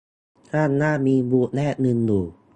ข้างหน้ามีบูธแลกเงินอยู่